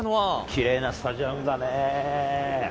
きれいなスタジアムだね。